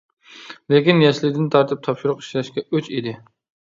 لېكىن يەسلىدىن تارتىپ تاپشۇرۇق ئىشلەشكە ئۆچ ئىدى.